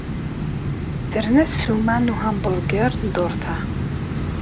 Terna ssuma n uhamburger dduṛt-a.